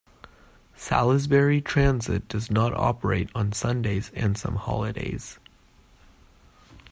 Salisbury Transit does not operate on Sundays and some holidays.